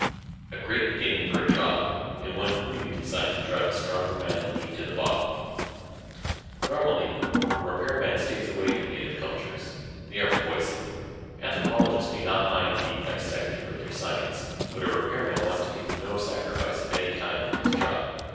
A great beginning for a job and one clearly designed to drive a stronger man than me to the bottle. Normally, a repairman stays away from native cultures. They are poison. Anthropologists may not mind being dissected for their science, but a repairman wants to make no sacrifices of any kind for his job.